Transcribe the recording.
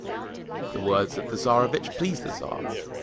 The words of the Tsarevitch pleased the Tsar.